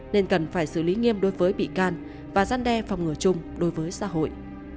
nên cần phải xử lý nghiêm đối với bị can và gian đe phòng ngừa chung đối với xã hội